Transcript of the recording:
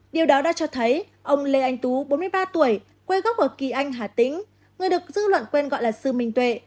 điều đó đã cho thấy ông lê anh tú bốn mươi ba tuổi quê gốc ở kỳ anh hà tĩnh người được dư luận quen gọi là sư minh tuệ